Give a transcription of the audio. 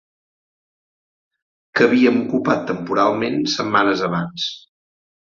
Que havíem ocupat temporalment setmanes abans